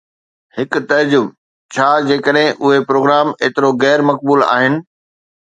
هڪ تعجب: ڇا جيڪڏهن اهي پروگرام ايترو غير مقبول آهن؟